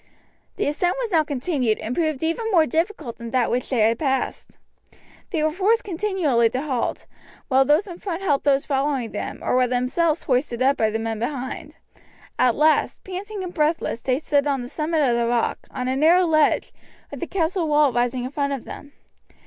The ascent was now continued, and proved even more difficult than that which they had passed. They were forced continually to halt, while those in front helped those following them, or were themselves hoisted up by the men behind. At last, panting and breathless, they stood on the summit of the rock, on a narrow ledge, with the castle wall rising in front of them.